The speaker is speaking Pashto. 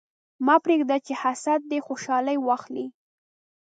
مه پرېږده چې حسد دې خوشحالي واخلي.